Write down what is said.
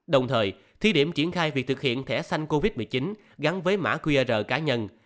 đồng thời thí điểm triển khai việc thực hiện thẻ xanh covid một mươi chín gắn với mã qr cá nhân